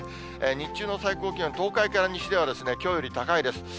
日中の最高気温は東海から西ではきょうより高いです。